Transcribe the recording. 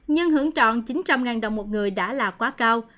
nhưng hưởng trọn chín trăm linh đồng một người đã là quá cao